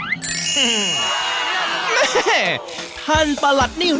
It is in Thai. เฮ้ท่านปลาลัตนี่